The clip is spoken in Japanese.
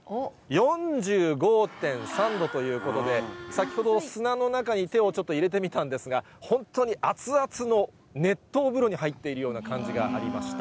４５．３度ということで、先ほど砂の中に手をちょっと入れてみたんですが、本当に熱々の熱湯風呂に入っているような感じがありました。